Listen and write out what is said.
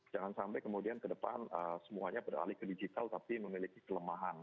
jangan sampai kemudian ke depan semuanya beralih ke digital tapi memiliki kelemahan